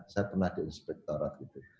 saya pernah diinspektorat